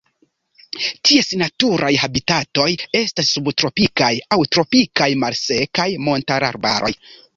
Ties naturaj habitatoj estas subtropikaj aŭ tropikaj malsekaj montararbaroj.